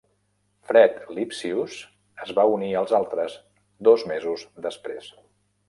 Fred Lipsius es va unir als altres, dos mesos després.